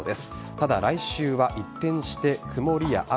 ただ、来週は一転して曇りや雨。